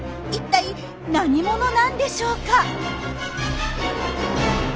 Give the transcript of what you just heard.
いったい何者なんでしょうか？